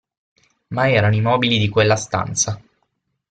Ma erano i mobili di quella stanza.